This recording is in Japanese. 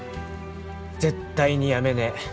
絶対に辞めねえ。